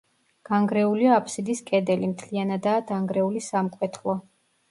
განგრეულია აფსიდის კედელი, მთლიანადაა დანგრეული სამკვეთლო.